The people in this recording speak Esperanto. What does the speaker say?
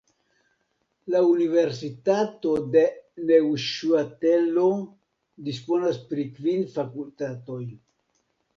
La universitato de Neŭŝatelo disponas pri kvin fakultatoj.